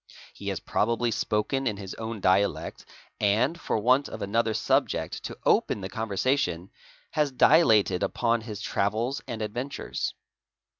He has probably spoken in his own dialect ar for want of another subject to open the conversation, has dilated upon h travels and adventures.